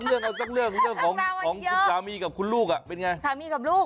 เล่าสักเรื่องคุณสามีกับคุณลูกอะไรเท่าไหร่